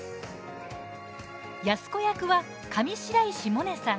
安子役は、上白石萌音さん。